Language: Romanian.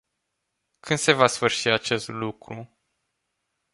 Când se va sfârși acest lucru?